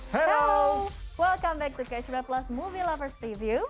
halo selamat datang kembali di catch play plus movie lovers review